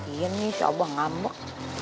iya nih si abah ngambek